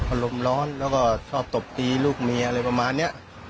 อารมณ์ร้อนแล้วก็ชอบตบตีลูกเมียอะไรประมาณนี้